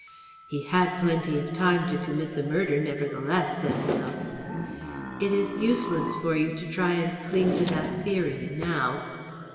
"He had plenty of time to commit the murder, nevertheless," said Phil. "It is useless for you to try and cling to that theory now."